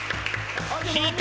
引いた！